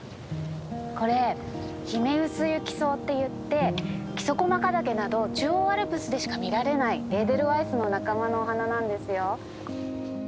これヒメウスユキソウっていって木曽駒ヶ岳など中央アルプスでしか見られないエーデルワイスの仲間のお花なんですよ。